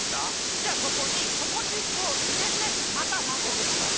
じゃあそこにチョコチップをいれてまたまぜてください。